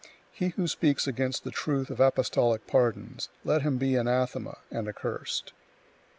He who speaks against the truth of apostolic pardons, let him be anathema and accursed!